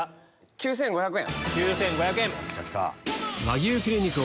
９５００円。